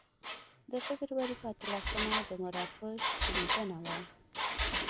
د فبروري په اتلسمه د مراکش لیدنه وه.